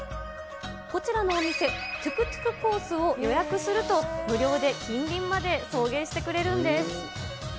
こちらのお店、トゥクトゥクコースを予約すると、無料で近隣まで送迎してくれるんです。